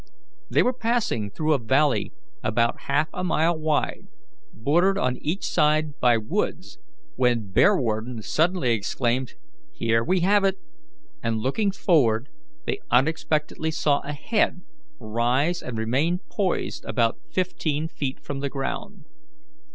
They were passing through a valley about half a mile wide, bordered on each side by woods, when Bearwarden suddenly exclaimed, "Here we have it!" and, looking forward, they unexpectedly saw a head rise and remain poised about fifteen feet from the ground.